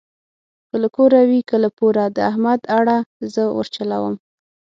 که له کوره وي که له پوره د احمد اړه زه ورچلوم.